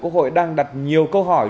quốc hội đang đặt nhiều câu hỏi